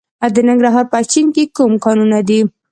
د ننګرهار په اچین کې کوم کانونه دي؟